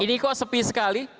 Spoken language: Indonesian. ini kok sepi sekali